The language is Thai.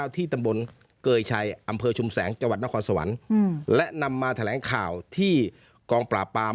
ที่ตำบลเกยชัยอำเภอชุมแสงจังหวัดนครสวรรค์และนำมาแถลงข่าวที่กองปราบปราม